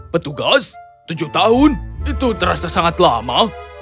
petugas tujuh tahun itu terasa sangat lama